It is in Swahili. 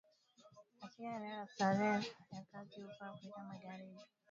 katika eneo la Sahel ya kati huko Afrika magharibi